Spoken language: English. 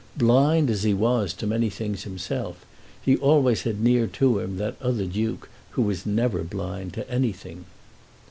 Blind as he was to many things himself, he always had near to him that other duke who was never blind to anything.